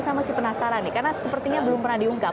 saya masih penasaran nih karena sepertinya belum pernah diungkap